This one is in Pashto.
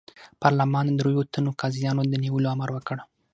پارلمان د دریوو تنو قاضیانو د نیولو امر وکړ.